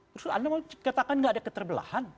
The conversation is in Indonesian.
maksudnya anda mau katakan nggak ada keterbelahan